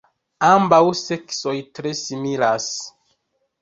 Ambaŭ seksoj tre similas.